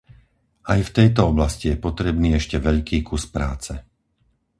Aj v tejto oblasti je potrebný ešte veľký kus práce.